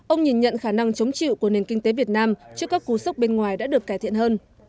ông nhìn nhận khả năng chống chịu của nền kinh tế việt nam trước các cú sốc bên ngoài đã được cải thiện hơn